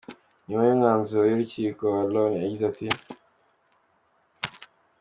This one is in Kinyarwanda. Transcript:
Nyuma y'umwanzuro w'urukiko, Wa Lone yagize ati:.